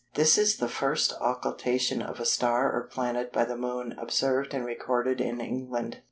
This is the first occultation of a star or planet by the Moon observed and recorded in England.